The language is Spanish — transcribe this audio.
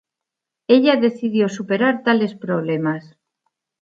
Ella decidió superar tales problemas.